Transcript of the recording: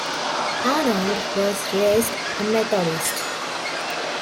Arnold was raised a Methodist.